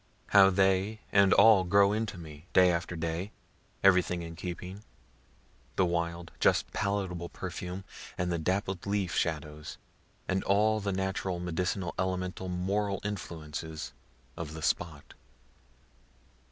How they and all grow into me, day after day everything in keeping the wild, just palpable perfume, and the dappled leaf shadows, and all the natural medicinal, elemental moral influences of the spot.